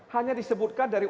hanya disebutkan dari